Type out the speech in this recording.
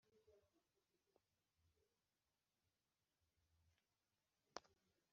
nkubagira ingumba y'ikinyabwoya/ n'indi ya nyirahuku/ nagutanze amaronko/ nujya kumira umire imosho